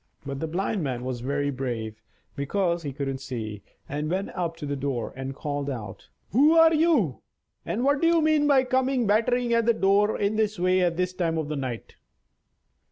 But the Blind Man was very brave (because he couldn't see), and went up to the door and called out: "Who are you, and what do you mean by coming battering at the door in this way at this time of night?"